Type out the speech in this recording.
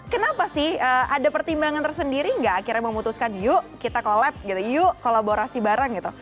kenapa sih ada pertimbangan tersendiri nggak akhirnya memutuskan yuk kita collab gitu yuk kolaborasi bareng gitu